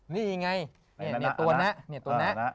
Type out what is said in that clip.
นี่ไงนี่ตัวแนะนี่ตัวแนะ